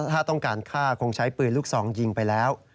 ถ้าต้องการฆ่าคงใช้ปืนลูกซองยิงไปแล้ว